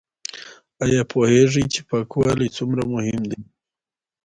ایا پوهیږئ چې پاکوالی څومره مهم دی؟